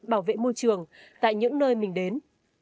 bảo vệ môi trường tại những nơi mình đến